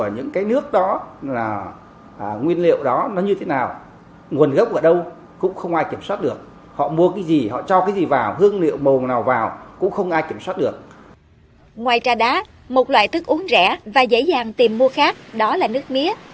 ngoài ra đá một loại thức uống rẻ và dễ dàng tìm mua khác đó là nước mía